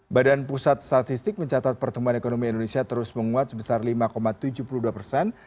badan pusat statistik mencatat pertumbuhan ekonomi indonesia terus menguat sebesar lima tujuh puluh dua persen